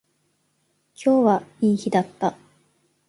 今日はいい日だった